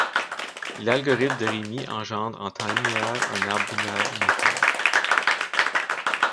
L'algorithme de Rémy engendre en temps linéaire un arbre binaire uniforme.